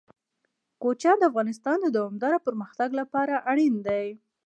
کوچیان د افغانستان د دوامداره پرمختګ لپاره اړین دي.